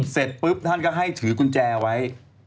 เสร็จปุ๊บท่านก็ให้ถือกุญแจไว้